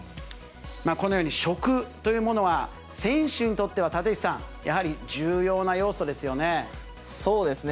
このように、食というものは、選手にとっては立石さん、やはりそうですね。